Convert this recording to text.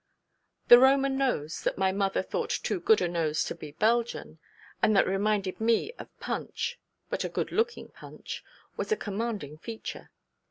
_) The Roman nose, that my mother thought too good a nose to be Belgian, and that reminded me of Punch (but a good looking Punch) was a commanding feature.